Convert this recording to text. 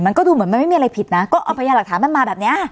มันก็ดูเหมือนมันไม่มีอะไรผิดนะก็เอาพยานหลักฐานมันมาแบบเนี้ย